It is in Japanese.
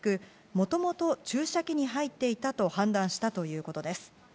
もともと注射器に入っていたと判断したということです。